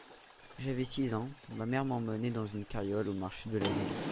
J'avais six ans, ma mère m'emmenait dans une carriole au marché de la ville.